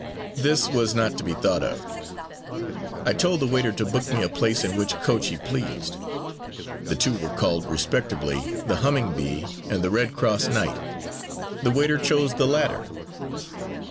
This was not to be thought of. I told the waiter to book me a place in which coach he pleased. The two were called respectively The Humming Bee, and The Red Cross Knight. The waiter chose the latter.